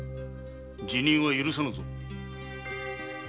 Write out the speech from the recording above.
辞任は許さぬぞ。